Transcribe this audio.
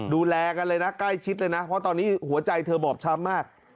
ดูแลกันเลยนะใกล้ชิดเลยนะเพราะตอนนี้หัวใจเธอบอบช้ำมาก